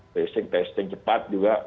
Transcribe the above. testing testing cepat juga